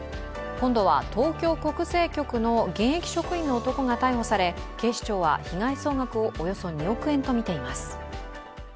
今度は東京国税局の現役職員の男が逮捕され警視庁は被害総額をおよそ２億円とみています。